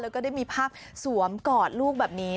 แล้วก็ได้มีภาพสวมกอดลูกแบบนี้